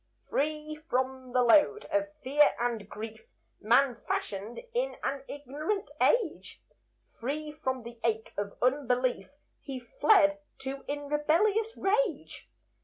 Free from the load of fear and grief, Man fashioned in an ignorant age; Free from the ache of unbelief He fled to in rebellious rage.